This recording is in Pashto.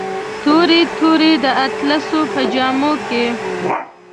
تورې، تورې د اطلسو په جامو کې